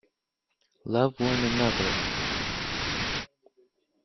Love one another.